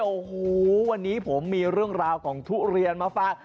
โอ้โหวันนี้ผมมีเรื่องราวของทุเรียนมาฝาก